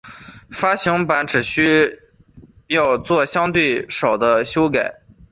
发行版只需要作相对少的修改。